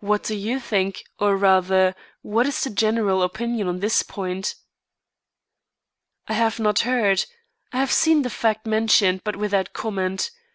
What do you think, or rather, what is the general opinion on this point?" "I have not heard. I have seen the fact mentioned, but without comment.